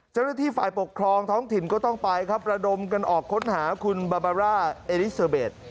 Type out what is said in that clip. เจ้าหน้าที่ฝ่ายปกครองท้องถิ่นก็ต้องไปครับระดมกันออกค้นหาคุณบาบาร่าเอลิเซอร์เบส